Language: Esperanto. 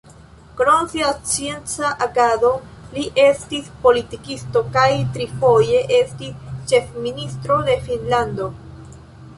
Krom sia scienca agado li estis politikisto kaj trifoje estis ĉefministro de Finnlando.